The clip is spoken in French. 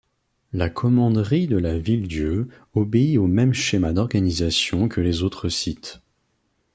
La commanderie de La Villedieu obéit au même schéma d'organisation que les autres sites.